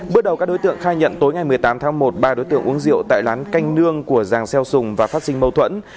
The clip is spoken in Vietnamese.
bước đầu các đối tượng khai nhận tối ngày một mươi tám tháng một ba đối tượng uống rượu tại lán canh nương của giàng xeo sùng và phát sinh mâu thuẫn